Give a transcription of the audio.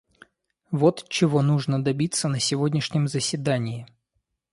Вот чего нужно добиться на сегодняшнем заседании.